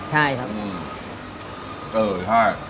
ใช่ครับ